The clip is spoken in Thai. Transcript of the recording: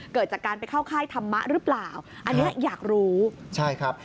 เกิดจากการไปเข้าค่ายธรรมะหรือเปล่าอันนี้อยากรู้ใช่ครับ